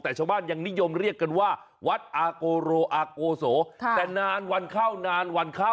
แต่ชาวบ้านยังนิยมเรียกกันว่าวัดอาโกโรอาโกโสแต่นานวันเข้านานวันเข้า